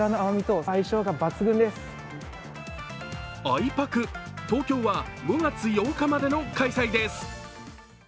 あいぱく、東京は５月８日までの開催です。